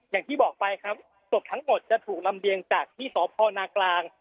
อย่างที่บอกไปครับศพทั้งหมดจะถูกลำเรียงจากที่สพนากลาง